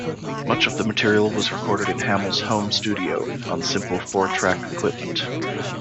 Much of the material was recorded in Hammill's home studio on simple four-track equipment.